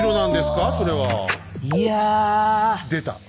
いや。出た。